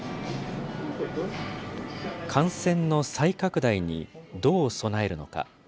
感染の再拡大にどう備えるのか。